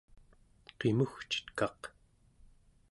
qimugcitkaq